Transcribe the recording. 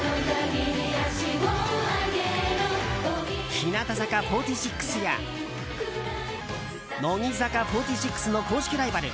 日向坂４６や乃木坂４６の公式ライバル